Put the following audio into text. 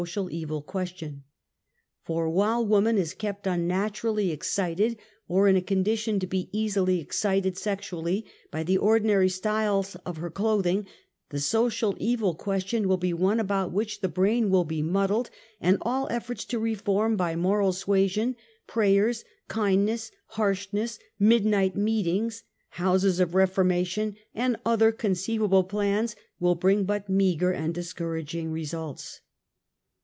nal evil r|iiestion. For ^ /•Avhile woman is kept unnaturally exeiteiL or in al ^ I condition to be easily excited sexually, lyv the ordi 1 I nary styles of her clothing, the social evil (|UL stion will be one about which the brain will muddled, and all elforts to reform by moral stiasion. prayers, kindness, harshness, midnight meetings, houses of reformation, and other conceivable plans will bring but meagre and discouraging results.